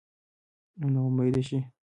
او نا امیده شي